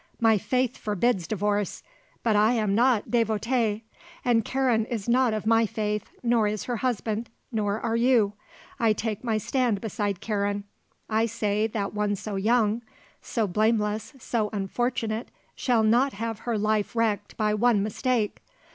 My faith forbids divorce; but I am not dévote, and Karen is not of my faith, nor is her husband, nor are you. I take my stand beside Karen. I say that one so young, so blameless, so unfortunate, shall not have her life wrecked by one mistake.